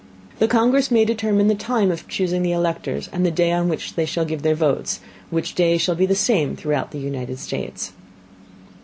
The Congress may determine the Time of chusing the Electors, and the Day on which they shall give their Votes; which Day shall be the same throughout the United States.